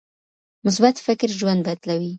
مثبت فکر ژوند بدلوي.